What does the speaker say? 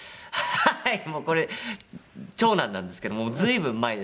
もうこれ長男なんですけども随分前ですね。